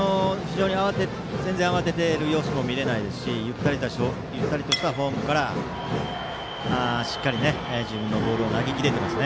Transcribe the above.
全然慌てている様子も見えないですしゆったりとしたフォームからしっかり自分のボール投げてます。